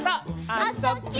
「あ・そ・ぎゅ」